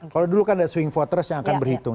kalau dulu kan ada swing voters yang akan berhitung